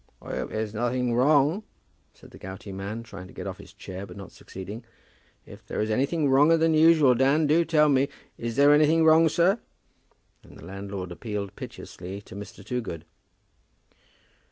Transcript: "I hope there's nothing wrong?" said the gouty man, trying to get off his chair, but not succeeding. "If there is anything wronger than usual, Dan, do tell me. Is there anything wrong, sir?" and the landlord appealed piteously to Mr. Toogood.